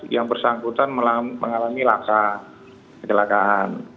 yang bersangkutan mengalami laka kecelakaan